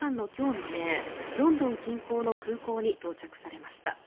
未明ロンドン近郊の空港に到着されました。